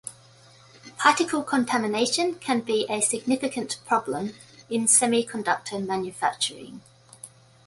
Particle contamination can be a significant problem in semiconductor manufacturing.